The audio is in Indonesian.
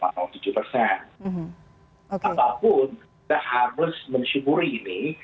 apapun kita harus mensyukuri ini